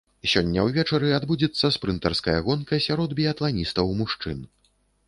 Сёння ўвечары адбудзецца спрынтарская гонка сярод біятланістаў-мужчын.